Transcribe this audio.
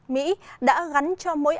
mỹ đã gắn cho mỗi